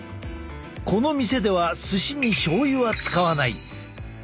この店では寿司にしょう油は使わない。